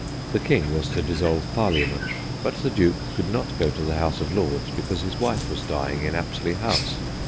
The King was to dissolve Parliament, but the Duke could not go to the House of Lords because his wife was dying in Apsley House.